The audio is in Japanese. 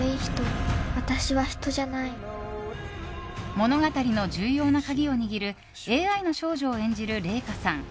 物語の重要な鍵を握るＡＩの少女を演じる麗禾さん。